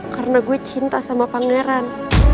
karena gue cinta sama pangeran